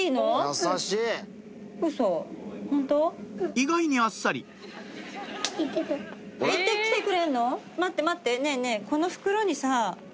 意外にあっさり待って待ってねぇねぇ。